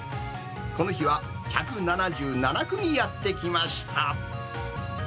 この日は、１７７組やって来ました。